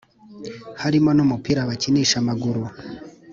harimo n’umupira bakinisha amaguru,